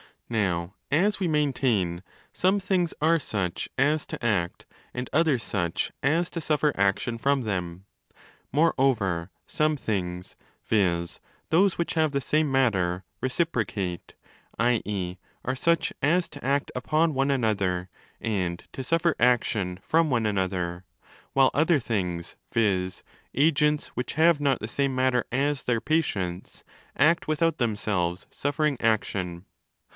Now, as we maintain,? some things are such as to act and others such as to suffer action from them. Moreover, some things—viz. those which have the same matter— 20 'reciprocate', i.e. are such as to act upon one another and to suffer action from one another ; while other things, viz. agents which have not the same matter as their patients, act without themselves suffering action.